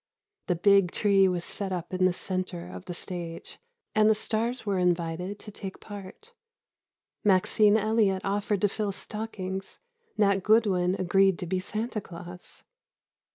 The big tree was set up in the center of the stage, and the stars were invited to take part. Maxine Elliot offered to fill stockings; Nat Goodwin agreed to be Santa Claus.